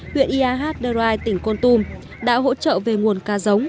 huyện ia hát đơ rai tỉnh côn tùm đã hỗ trợ về nguồn cá giống